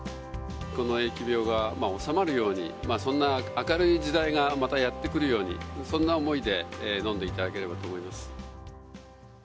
この疫病が収まるように、そんな明るい時代がまたやって来るように、そんな思いで飲んでいただければと思います。